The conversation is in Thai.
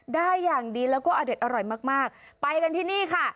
ได้อย่างดีแล้วก็อเด็ดอร่อยมากมากไปกันที่นี่ค่ะ